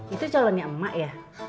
itu calonnya emak ya